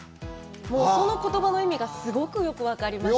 もうその言葉の意味がすごくよく分かりました。